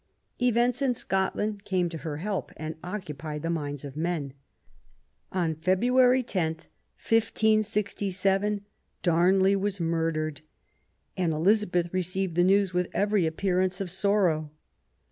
Events in Scotland came to her help and occupied the minds of men. On February lo, 1567, Darnley was murdered, and Elizabeth received the news with every appearance of sorrow.